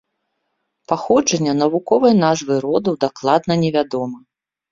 Паходжанне навуковай назвы роду дакладна невядома.